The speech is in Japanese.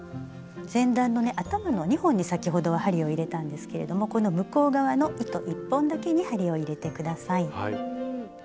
前段のね頭の２本に先ほどは針を入れたんですけれどもこの向こう側の糸１本だけに針を入れて下さい。